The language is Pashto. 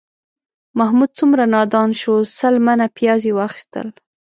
محمود څومره نادان شو، سل منه پیاز یې واخیستل